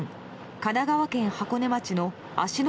神奈川県箱根町の芦ノ